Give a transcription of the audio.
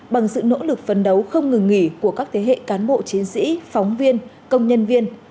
bằng sự nỗ lực phấn đấu không ngừng nghỉ của các thế hệ cán bộ chiến sĩ phóng viên công nhân viên